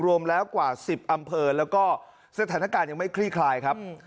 รวมแล้วกว่า๑๐อำเภอแล้วก็สถานการณ์ยังไม่คลี่คลายครับ